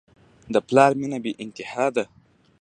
د پلار مینه بېانتها ده.